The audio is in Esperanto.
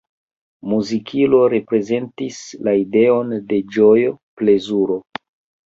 Muzikilo reprezentis la ideon de ĝojo, plezuro.